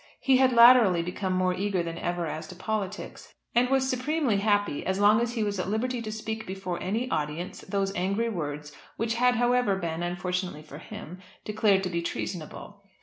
He had latterly become more eager than ever as to politics, and was supremely happy as long as he was at liberty to speak before any audience those angry words which had however been, unfortunately for him, declared to be treasonable.